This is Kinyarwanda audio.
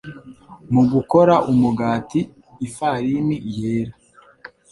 Mu gukora umugati, ifarini yera